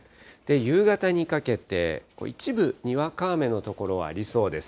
夕方にかけて、一部、にわか雨の所はありそうです。